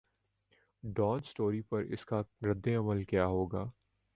Dawn story پر اس کا ردعمل کیا ہو گا؟